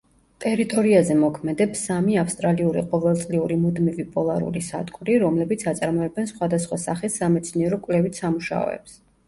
ტერიტორიაზე მოქმედებს სამი ავსტრალიური ყოველწლიური მუდმივი პოლარული სადგური, რომლებიც აწარმოებენ სხვადასხვა სახის სამეცნიერო-კვლევით სამუშაოებს.